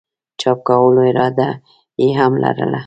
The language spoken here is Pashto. چاپ کولو اراده ئې هم لرله